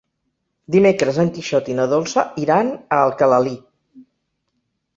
Dimecres en Quixot i na Dolça iran a Alcalalí.